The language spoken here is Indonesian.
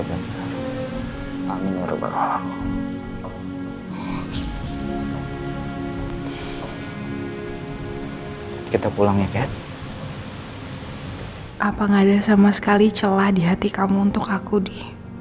apa nggak ada sama sekali celah di hati kamu untuk aku di